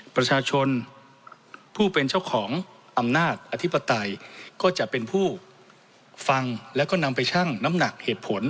ประชาชนผู้เป็นเจ้าของอำนาจอธิปไตยก็จะเป็นผู้ฟังแล้วก็นำไปชั่งน้ำหนักเหตุผล